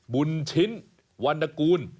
บุญชิ้นวรรณกูล